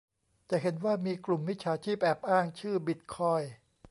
จะเห็นว่ามีกลุ่มมิจฉาชีพแอบอ้างชื่อบิตคอยน์